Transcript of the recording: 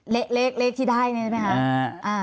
เล็กที่ได้ใช่ไหมคะ